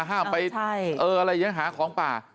ห้ามไปเอออะไรเอี่ยหาของป่า